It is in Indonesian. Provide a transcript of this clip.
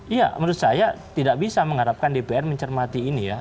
iya menurut saya tidak bisa mengharapkan dpr mencermati ini ya